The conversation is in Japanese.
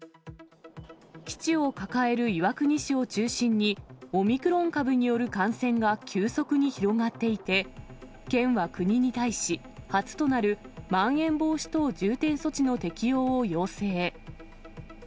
基地を抱える岩国市を中心に、オミクロン株による感染が急速に広がっていて、県は国に対し、初となるまん延防止等重点措置の適用を要請。